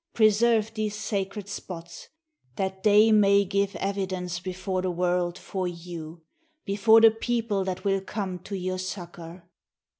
Preserve these sacred spots, that they may give evidence before the world for you, before the people that will come to your succor!